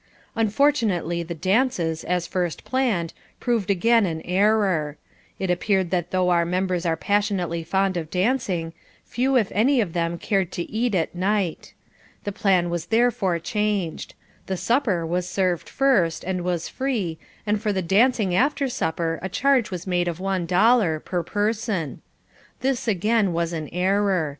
Unfortunately the dances, as first planned, proved again an error. It appeared that though our members are passionately fond of dancing, few if any of them cared to eat at night. The plan was therefore changed. The supper was served first, and was free, and for the dancing after supper a charge was made of one dollar, per person. This again was an error.